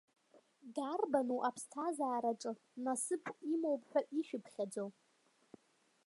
Дарбану аԥсҭазаараҿы насыԥ имоуп ҳәа ишәыԥхьаӡо?